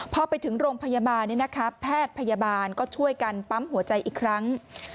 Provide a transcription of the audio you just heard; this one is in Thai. พอไปถึงโรงพยาบาลแพทย์พยาบาลก็ช่วยกันปั๊มหัวใจอีกครั้ง